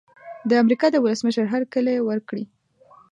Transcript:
د امریکا د ولسمشر هرکلی وکړي.